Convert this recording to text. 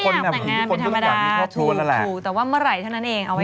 ก็คุณก็ไม่ต้องมาถามเขานะคะ